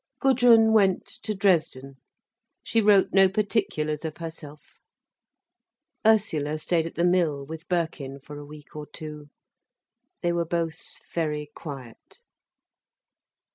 Gudrun went to Dresden. She wrote no particulars of herself. Ursula stayed at the Mill with Birkin for a week or two. They were both very quiet.